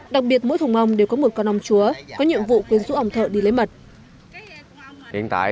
đặc biệt mỗi thùng ong đều có thể đặt vào những nông thùng